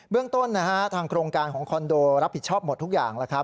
เบื้องต้นทางโครงการของคอนโดรับผิดชอบหมดทุกอย่าง